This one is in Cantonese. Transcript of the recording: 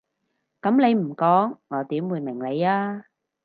噉你唔講我點會明你啊？